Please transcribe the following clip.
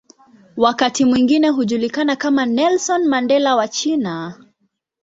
Wakati mwingine hujulikana kama "Nelson Mandela wa China".